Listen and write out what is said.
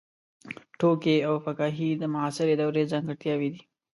ټوکي او فکاهي د معاصرې دورې ځانګړتیاوې دي.